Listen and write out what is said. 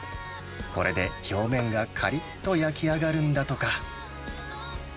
これで表面がかりっと焼き上がるんだとか。